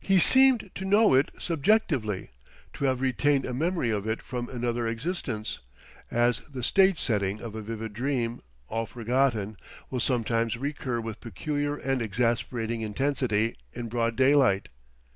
He seemed to know it subjectively, to have retained a memory of it from another existence: as the stage setting of a vivid dream, all forgotten, will sometimes recur with peculiar and exasperating intensity, in broad daylight.